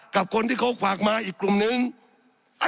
สับขาหลอกกันไปสับขาหลอกกันไป